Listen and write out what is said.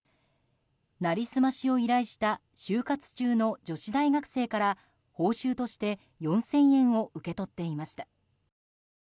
成り済ましを依頼した就活中の女子大学生から報酬として４０００円を受け取っていました。